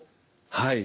はい。